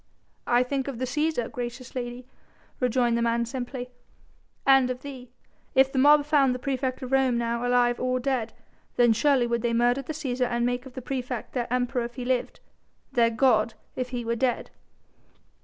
"I think of the Cæsar, gracious lady," rejoined the man simply, "and of thee. If the mob found the praefect of Rome now alive or dead, then surely would they murder the Cæsar and make of the praefect their Emperor if he lived, their god if he were dead."